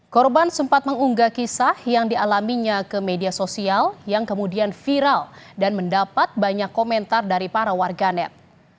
korban sempat mengunggah kisah yang dialaminya ke media sosial yang kemudian viral dan mendapat banyak komentar dari para warganet